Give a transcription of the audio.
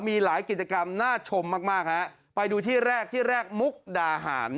มีหลายกิจกรรมน่าชมมากมากฮะไปดูที่แรกที่แรกมุกดาหาร